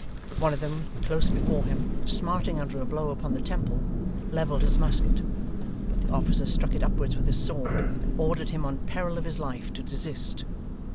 One of them, close before him, smarting under a blow upon the temple, levelled his musket, but the officer struck it upwards with his sword, and ordered him on peril of his life to desist.